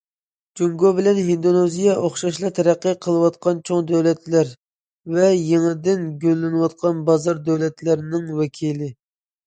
جۇڭگو بىلەن ھىندونېزىيە ئوخشاشلا تەرەققىي قىلىۋاتقان چوڭ دۆلەتلەر ۋە يېڭىدىن گۈللىنىۋاتقان بازار دۆلەتلىرىنىڭ ۋەكىلى.